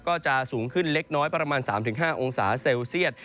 ก็จะสูงขึ้นเล็กน้อยประมาณ๓๕องศาเซลเซียต